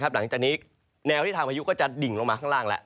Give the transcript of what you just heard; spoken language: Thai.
หลังจากนี้แนวที่ทางพายุก็จะดิ่งลงมาข้างล่างแล้ว